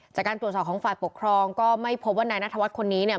จากการตรวจสอบของฝ่ายปกครองก็ไม่พบว่านายนัทวัฒน์คนนี้เนี่ย